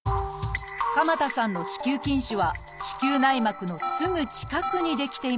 鎌田さんの子宮筋腫は子宮内膜のすぐ近くに出来ていました。